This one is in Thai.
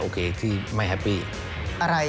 ก็คือคุณอันนบสิงต์โตทองนะครับ